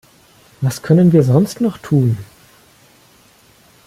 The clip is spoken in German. Was können wir sonst noch tun?